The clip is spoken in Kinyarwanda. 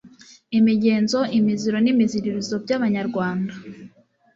imigenzo, imiziro n'imiziririzo by'abanyarwanda